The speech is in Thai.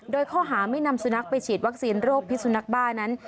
โดยข้อหาไม่นำสุนัขไปฉีดวัคซีนโรคพิสุนักบ้านั้น